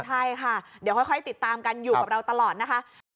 ใช่ค่ะเดี๋ยวค่อยติดตามกันอยู่กับเราตลอดนะคะ